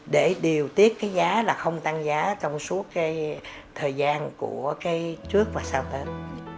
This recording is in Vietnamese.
để điều tiết cái giá là không tăng giá trong suốt cái thời gian của cái trước và sau tết